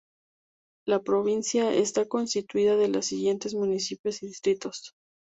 La Provincia está constituida de los siguientes municipios y distritos.